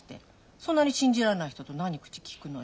そんなに信じられない人と何口きくのよ。